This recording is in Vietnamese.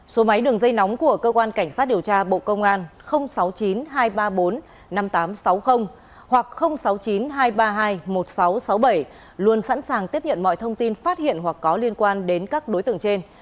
số máy đường dây nóng của cơ quan cảnh sát điều tra bộ công an sáu mươi chín hai trăm ba mươi bốn năm nghìn tám trăm sáu mươi hoặc sáu mươi chín hai trăm ba mươi hai một nghìn sáu trăm sáu mươi bảy luôn sẵn sàng tiếp nhận mọi thông tin phát hiện hoặc có liên quan đến các đối tượng trên